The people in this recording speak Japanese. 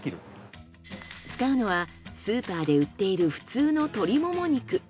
使うのはスーパーで売っている普通の鶏もも肉。